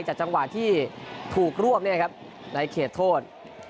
จัดจังหวะที่ถูกร่วมนี่ครับในเขตโทษ